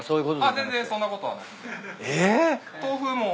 あっ全然そんなことは。えっ？